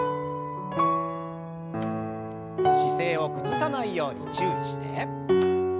姿勢を崩さないように注意して。